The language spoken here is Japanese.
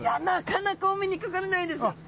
なかなかお目にかかれないです。